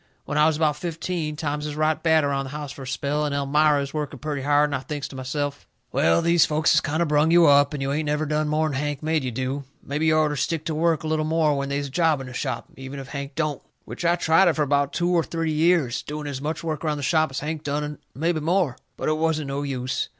When I was about fifteen, times is right bad around the house fur a spell, and Elmira is working purty hard, and I thinks to myself: "Well, these folks has kind o' brung you up, and you ain't never done more'n Hank made you do. Mebby you orter stick to work a little more when they's a job in the shop, even if Hank don't." Which I tried it fur about two or three years, doing as much work around the shop as Hank done and mebby more. But it wasn't no use.